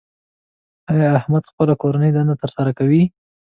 ایا احمد خپله کورنۍ دنده تر سره کوي؟